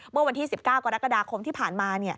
เมื่อวันที่๑๙กรกฎาคมที่ผ่านมา